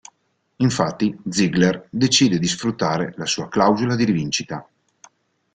Infatti Ziggler decide di sfruttare la sua clausola di rivincita.